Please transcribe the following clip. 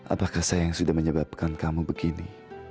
apakah saya yang sudah menyebabkan kamu begini